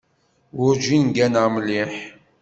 Werǧin gganeɣ mliḥ.